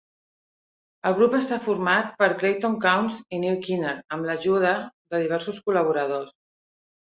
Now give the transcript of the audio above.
El grup està format per Clayton Counts i Neil Keener, amb l'ajude de diversos col·laboradors.